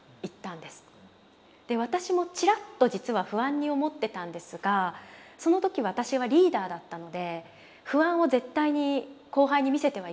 で私もチラッと実は不安に思ってたんですがその時私はリーダーだったので不安を絶対に後輩に見せてはいけないなと思ったんです。